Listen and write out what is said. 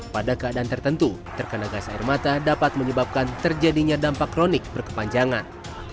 pada keadaan tertentu terkena gas air mata dapat menyebabkan terjadinya dampak kronik berkepanjangan